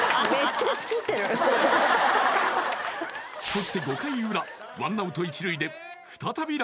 そして５回裏１アウト１塁で・